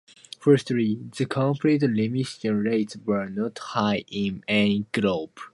Firstly, the complete remission rates were not high in any group.